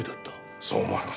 そう思われます。